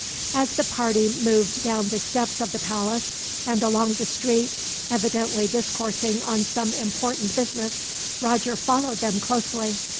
As the party moved down the steps of the palace, and along the street, evidently discoursing on some important business, Roger followed them closely.